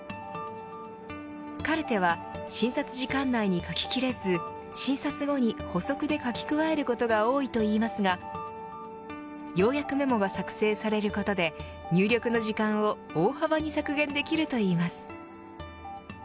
カルテは診察時間内に書ききれず診察後に補足で書き加えることが多いといいますが要約メモが作成されることで入力の時間を大幅に削減できるといいます。